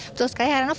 betul sekali heranof